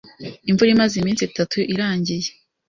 Imvura imaze iminsi itatu irangiye.